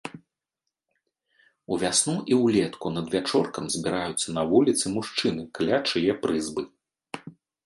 Увясну і ўлетку надвячоркам збіраюцца на вуліцы мужчыны каля чые прызбы.